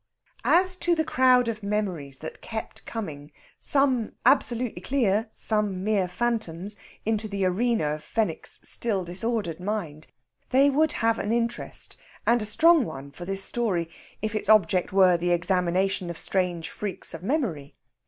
As to the crowd of memories that kept coming, some absolutely clear, some mere phantoms, into the arena of Fenwick's still disordered mind, they would have an interest, and a strong one, for this story if its object were the examination of strange freaks of memory.